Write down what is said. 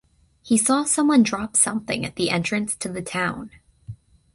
He saw someone drop something at the entrance to the town.